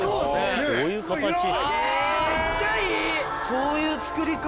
そういう造りか。